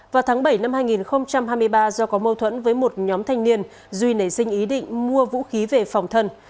vào tháng bảy năm hai nghìn hai mươi ba do có mâu thuẫn với một nhóm thanh niên duy nảy sinh ý định mua vũ khí về phòng thân